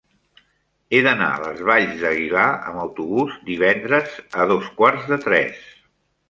He d'anar a les Valls d'Aguilar amb autobús divendres a dos quarts de tres.